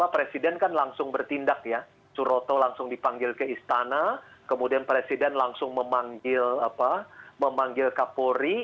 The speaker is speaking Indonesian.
presiden kan langsung bertindak ya suroto langsung dipanggil ke istana kemudian presiden langsung memanggil kapolri